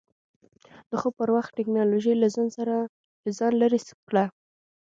د خوب پر وخت ټېکنالوژي له ځان لرې کړه.